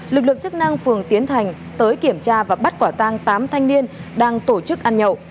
lực lượng chức năng phường tiến thành tới kiểm tra và bắt quả tang tám thanh niên đang tổ chức ăn nhậu